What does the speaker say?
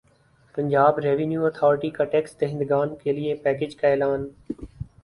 Punjab revenue authority کا tax نادہندگان کیلئے پیکج کا اعلان